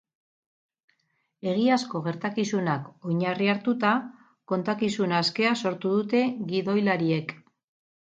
Egiazko gertakizunak oinarri hartuta, kontakizun askea sortu dute gidoilariek.